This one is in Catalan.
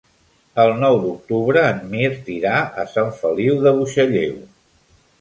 El nou d'octubre en Mirt irà a Sant Feliu de Buixalleu.